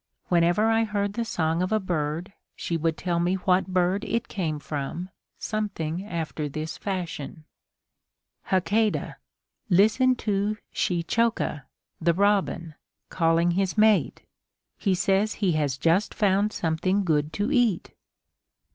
Whenever I heard the song of a bird, she would tell me what bird it came from, something after this fashion: "Hakadah, listen to Shechoka (the robin) calling his mate. He says he has just found something good to eat."